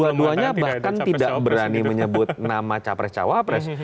dua duanya bahkan tidak berani menyebut nama capres cawapres